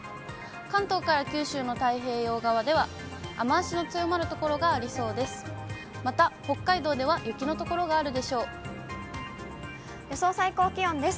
関東から九州の太平洋側では、雨足の強まる所がありそうです。